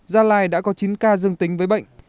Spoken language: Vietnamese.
gia lai đã có chín ca dương tính với bệnh